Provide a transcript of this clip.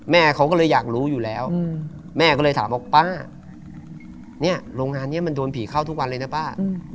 แม่เขาก็เลยอยากรู้อยู่แล้วแม่ก็เลยถามว่าป้าเนี่ยโรงงานนี้มันโดนผีเข้าทุกวันเลยนะป้า